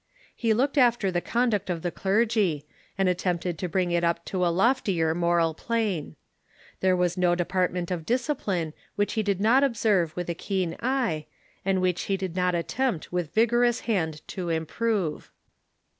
He looked after the conduct of the clergy, and attempted to bring it up to a loftier moi al plane. There was no department of discipline which he did not observe with keen eye, and which he did not attempt with vigorous hand to improve.